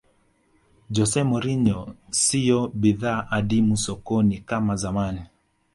jose mourinho siyo bidhaa adimu sokoni kama zamani